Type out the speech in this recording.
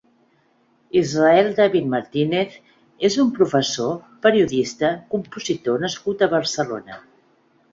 Israel David Martínez és un professor, periodista, compositor nascut a Barcelona.